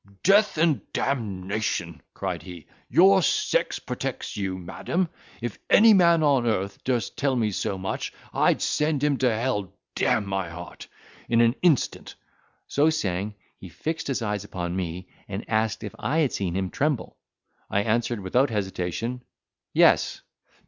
"Death and d—ion!" cried he, "your sex protects you, madam; if any man on earth durst tell me so much, I'd send him to hell, d—n my heart! in an instant." So saying, he fixed his eyes upon me, and asked if I had seen him tremble? I answered without hesitation, "Yes."